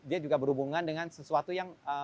dia juga berhubungan dengan sesuatu yang